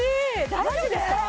大丈夫ですか？